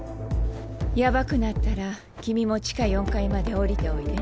やばくなったら君も地下４階まで下りておいで。